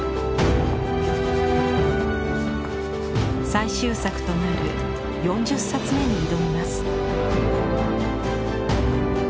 最終作となる４０冊目に挑みます。